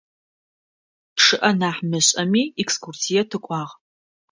Чъыӏэ нахь мышӏэми, экскурсие тыкӏуагъ.